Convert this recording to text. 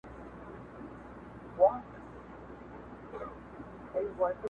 زما په ټاكنو كي ستا مست خال ټاكنيز نښان دی.